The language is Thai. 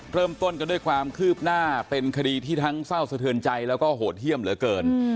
เริ่มต้นกันด้วยความคืบหน้าเป็นคดีที่ทั้งเศร้าสะเทือนใจแล้วก็โหดเยี่ยมเหลือเกิน